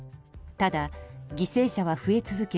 ただ、犠牲者は増え続け